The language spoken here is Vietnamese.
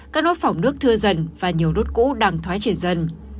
các nốt phỏng nước thưa dần và nhiều đốt cũ đang thoái triển dần